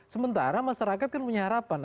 sementara masyarakat kan punya harapan